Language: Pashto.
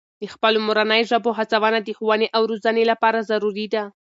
د خپلو مورنۍ ژبو هڅونه د ښوونې او روزنې لپاره ضروري ده.